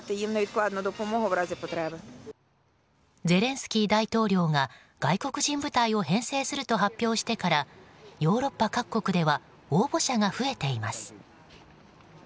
ゼレンスキー大統領が外国人部隊を編成すると発表してからヨーロッパ各国では応募者が増えています。